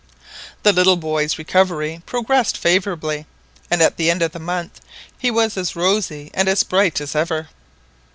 The little boy's recovery progressed favourably, and at the end of the month he was as rosy and as bright as ever.